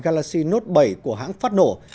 galassi note bảy của hãng phát nổ